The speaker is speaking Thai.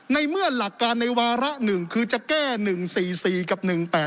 ในเมื่อหลักการในวาระ๑คือจะแก้๑๔๔กับ๑๘๘